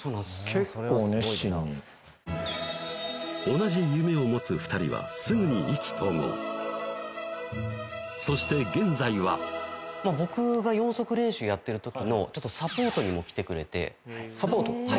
結構熱心に同じ夢を持つ２人はすぐに意気投合そして僕が四足練習やってる時のサポートにも来てくれてサポート？